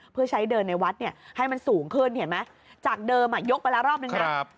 เพื่อใช้เดินในวัดเนี่ยให้มันสูงขึ้นเห็นไหมจากเดิมยกไปแล้วรอบนึงนะ